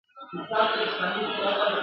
له چڼچڼو، توتکیو تر بازانو ..